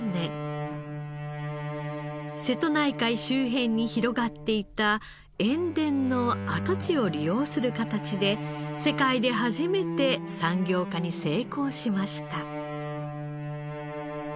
瀬戸内海周辺に広がっていた塩田の跡地を利用する形で世界で初めて産業化に成功しました。